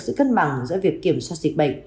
sự cân bằng giữa việc kiểm soát dịch bệnh